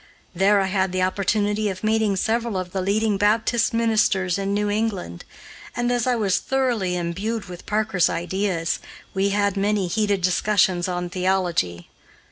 There I had the opportunity of meeting several of the leading Baptist ministers in New England, and, as I was thoroughly imbued with Parker's ideas, we had many heated discussions on theology.